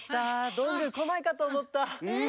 どんぐーこないかとおもった。